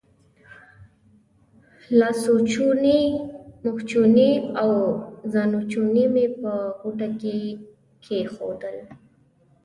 لاسوچونې، مخوچونې او ځانوچونی مې په غوټه کې کېښودل.